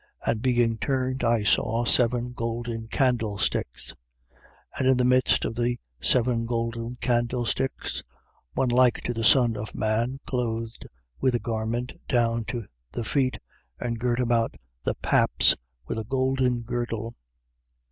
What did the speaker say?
And being turned, I saw seven golden candlesticks: 1:13. And in the midst of the seven golden candlesticks, one like to the Son of man, clothed with a garment down to the feet, and girt about the paps with a golden girdle.